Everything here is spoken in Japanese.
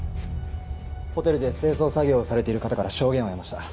ホテルで清掃作業をされている方から証言を得ました。